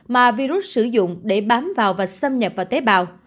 mà virus sử dụng để bám vào và xâm nhập vào tế bào